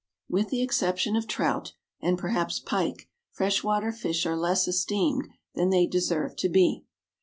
With the exception of trout and perhaps pike fresh water fish are less esteemed than they deserve to be.